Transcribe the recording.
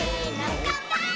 「かんぱーい！！」